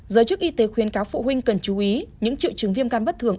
giới chức y tế khuyến cáo phụ huynh cần chú ý những triệu chứng viêm can bất thường